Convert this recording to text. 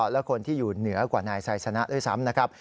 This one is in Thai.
และคนที่อยู่เหนือกว่านายไซสนะด้วยซ้ำนะครับ